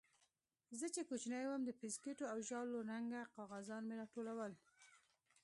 زه چې کوچنى وم د بيسکوټو او ژاولو رنګه کاغذان مې راټولول.